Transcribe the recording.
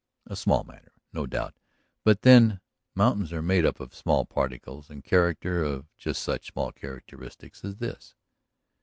A small matter, no doubt; but then mountains are made up of small particles and character of just such small characteristics as this.